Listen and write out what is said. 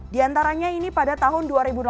di antaranya ini pada tahun dua ribu delapan belas